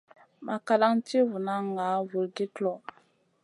Makalan ti vunan ŋaʼa vulgit lõ.